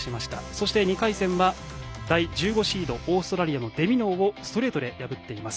そして２回戦は、第１５シードオーストラリアのデミノーをストレートで破っています。